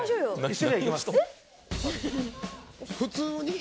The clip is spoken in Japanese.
一緒には行きます